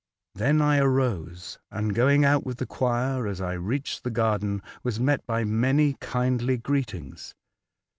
Then I arose, and, going out with the choir, as 1 reached the garden, was met by many kindly greetings.